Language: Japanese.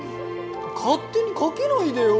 勝手にかけないでよ！